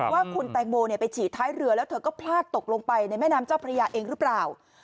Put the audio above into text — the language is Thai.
ว่าคุณแตงโมไปฉี่ท้ายเรือแล้วเธอก็พลาดตกลงไปในแม่น้ำเจ้าพระยาเองหรือเปล่า